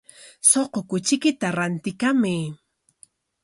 Suqu kuchiykita rantikamay.